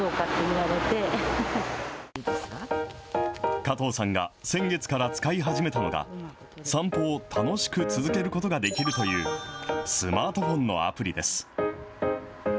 加藤さんが先月から使い始めたのは、散歩を楽しく続けることができるというスマートフォンのアプリです。